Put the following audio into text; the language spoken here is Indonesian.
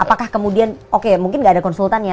apakah kemudian oke mungkin nggak ada konsultan ya